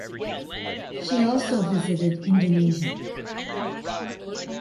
She also visited Indonesia.